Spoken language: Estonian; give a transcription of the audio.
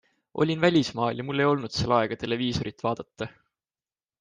Olin välismaal ja mul ei olnud seal aega televiisorit vaadata.